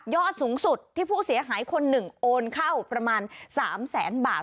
สูงสุดที่ผู้เสียหายคนหนึ่งโอนเข้าประมาณ๓แสนบาท